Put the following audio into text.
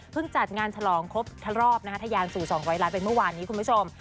เพิ่งจัดงานทรองครบทรอบนะคะทะยานสู่สองร้อยล้านเป็นเมื่อวานนี้คุณผู้ชม